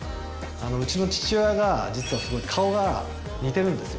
うちの父親が、実はすごい顔が似てるんですよ。